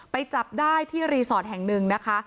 จับได้ที่รีสอร์ทแห่งหนึ่งนะคะ